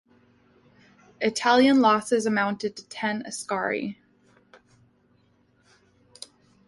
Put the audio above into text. Italian losses amounted to ten askari.